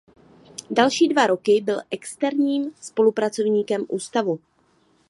Další dva roky byl externím spolupracovníkem ústavu.